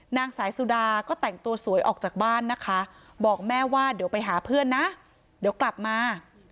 นางสายสุดาก็แต่งตัวสวยออกจากบ้านนะคะบอกแม่ว่าเดี๋ยวไปหาเพื่อนนะเดี๋ยวกลับมา